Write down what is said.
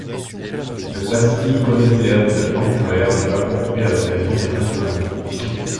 Le Pacific Coliseum de Vancouver n'est pas construit à l'occasion des Jeux olympiques.